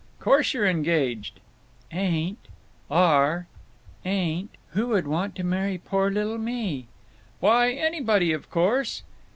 "Course you're engaged." "Ain't." "Are." "Ain't. Who would want to marry poor little me?" "Why, anybody, of course."